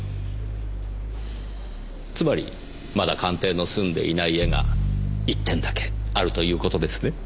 つまりまだ鑑定の済んでいない絵が１点だけあるということですね？